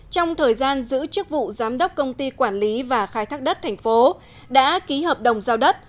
trong thời gian giữ chức vụ giám đốc công ty quản lý và khai thác đất thành phố đã ký hợp đồng giao đất